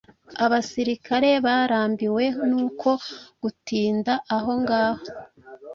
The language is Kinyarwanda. Abasirikare barambiwe n’uko gutinda aho ngaho